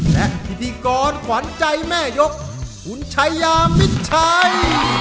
และพิธีกรขวัญใจแม่ยกคุณชายามิดชัย